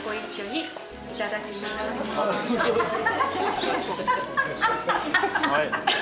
いただきます。